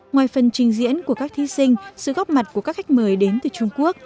ngoài phần trình diễn của các thi sinh sự góc mặt của các khách mời đến từ trung quốc